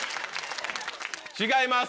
違います。